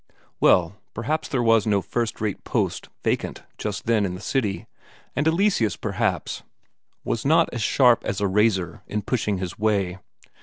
Well, perhaps there was no first rate post vacant just then in the city, and Eleseus, perhaps, was not as sharp as a razor in pushing his way.